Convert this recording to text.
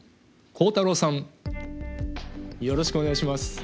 よろしくお願いします。